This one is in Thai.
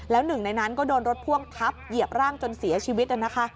แล้วหนึ่งในนั้นก็โดนรถพ่วงทับเหยียบร่างจนเสียชีวิตนะคะ